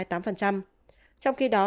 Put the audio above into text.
trong khi đó